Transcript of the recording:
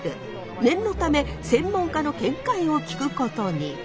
念のため専門家の見解を聞くことに。